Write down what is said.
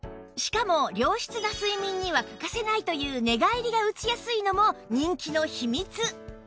しかも良質な睡眠には欠かせないという寝返りが打ちやすいのも人気の秘密